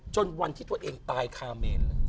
จนวันที่ตัวเองตายคาเมนเลย